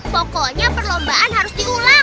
pokoknya perlombaan harus diulang